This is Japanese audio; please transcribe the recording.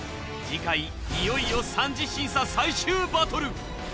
次回いよいよ三次審査最終バトル。